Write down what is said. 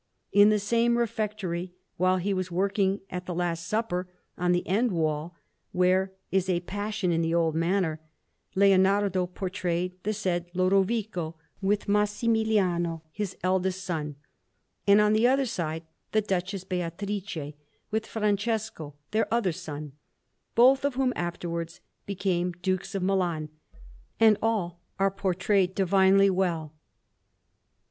In the same refectory, while he was working at the Last Supper, on the end wall where is a Passion in the old manner, Leonardo portrayed the said Lodovico, with Massimiliano, his eldest son; and, on the other side, the Duchess Beatrice, with Francesco, their other son, both of whom afterwards became Dukes of Milan; and all are portrayed divinely well.